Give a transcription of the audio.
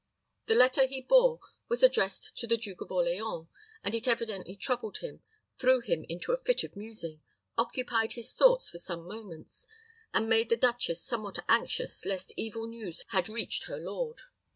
The letter he bore was addressed to the Duke of Orleans, and it evidently troubled him threw him into a fit of musing occupied his thoughts for some moments and made the duchess somewhat anxious lest evil news had reached her lord.